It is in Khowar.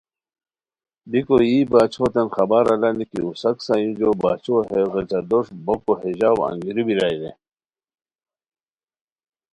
بیکو یی باچھاوتین خبر الانی کی اوساک سایورجو باچھو ہے غیچہ دوݰ بوکو ہے ژاؤ انگیرو بیرائے رے